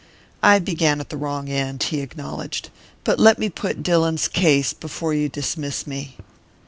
"I began at the wrong end," he acknowledged. "But let me put Dillon's case before you dismiss me."